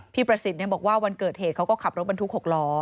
ประสิทธิ์บอกว่าวันเกิดเหตุเขาก็ขับรถบรรทุก๖ล้อ